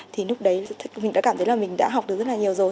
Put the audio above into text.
thì lúc đấy mình đã cảm thấy là mình đã học được rất là nhiều rồi